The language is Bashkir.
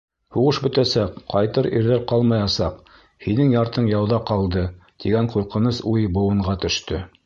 Һуғыш бөтәсәк, ҡайтыр ирҙәр ҡалмаясаҡ, һинең яртың яуҙа ҡалды, тигән ҡурҡыныс уй быуынға төштө.